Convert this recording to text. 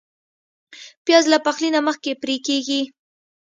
پیاز له پخلي نه مخکې پرې کېږي